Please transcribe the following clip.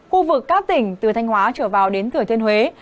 khu vực các tỉnh từ thanh hóa trở vào đến thừa thiên huế